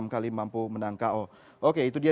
enam kali mampu menang ko oke itu dia